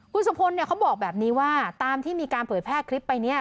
คุณสุพลเขาบอกแบบนี้ว่าตามที่มีการเผยแพร่คลิปไปเนี่ย